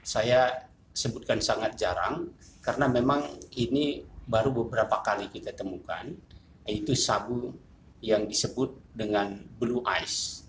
saya sebutkan sangat jarang karena memang ini baru beberapa kali kita temukan yaitu sabu yang disebut dengan blue ice